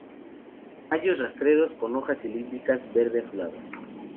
Tallos rastreros con hojas cilíndricas verde-azuladas.